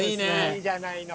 いいじゃないの。